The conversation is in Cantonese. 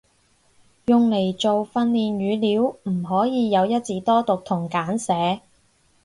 用嚟做訓練語料唔可以有一字多讀同簡寫